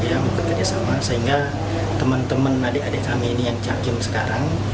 yang bekerja sama sehingga teman teman adik adik kami ini yang cakim sekarang